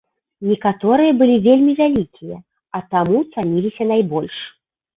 Некаторыя былі вельмі вялікія, а таму цаніліся найбольш.